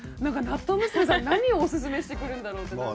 なっとう娘さん何をおすすめしてくるんだろうって。